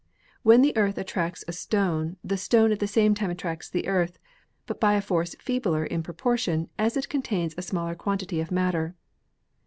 When the Earth attracts a stone, the stone at the same time attracts the Earth, but by a force feebler in propor tion as it contains a smaller quantity of matter.